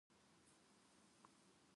こんばんはご飯食べたい